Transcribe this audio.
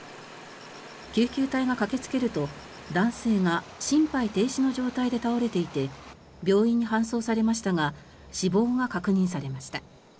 救急隊が駆けつけると男性が心肺停止の状態で倒れていて病院に搬送されましたが死亡が確認されました。